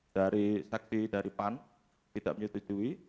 dari saksi dari pan tidak menyetujui